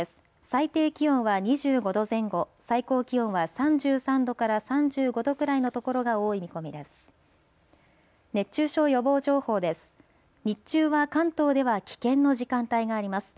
最低気温は２５度前後、最高気温は３３度から３５度くらいの所が多い見込みです。